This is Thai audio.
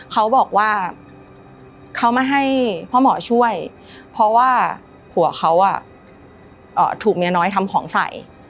เขาบอกว่าเขามาให้พ่อหมอช่วยเพราะว่าผัวเขาถูกเมียน้อยทำของใส่